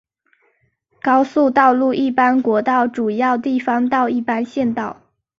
高速道路一般国道主要地方道一般县道